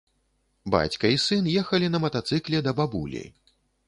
Бацька і сын ехалі на матацыкле да бабулі.